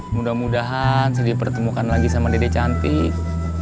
mudah mudahan saya dipertemukan lagi sama dede cantik